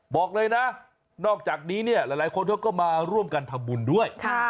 บอกเลยนะนอกจากนี้เนี่ยหลายคนเขาก็มาร่วมกันทำบุญด้วย